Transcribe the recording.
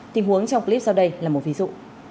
tìm huống trong clip sau đây là một ví dụ